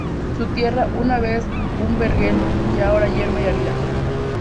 Su tierra, una vez un vergel, está ahora yerma y árida.